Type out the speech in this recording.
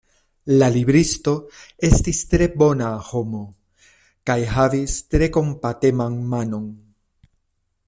La libristo estis tre bona homo kaj havis tre kompateman manon.